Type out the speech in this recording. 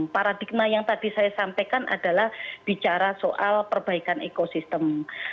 paradigma yang tadi saya sampaikan adalah bicara soal perbaikan ekosistem